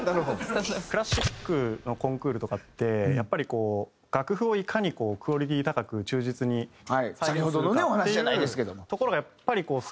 クラシックのコンクールとかってやっぱりこう楽譜をいかにこうクオリティー高く忠実に再現するかっていうところがやっぱりすごくど真ん中で。